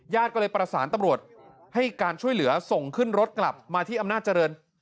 ก็เลยประสานตำรวจให้การช่วยเหลือส่งขึ้นรถกลับมาที่อำนาจเจริญ